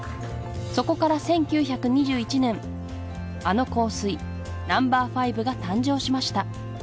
そこから１９２１年あの香水『Ｎ°５』が誕生しました